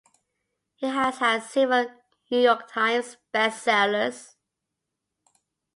He has had several "New York Times" best sellers.